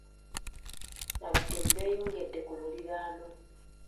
Abatemu beeyongedde ku muliraano.